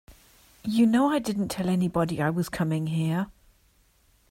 You know I didn't tell anybody I was coming here.